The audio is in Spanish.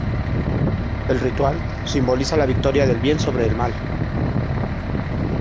El ritual simboliza la victoria del bien sobre el mal.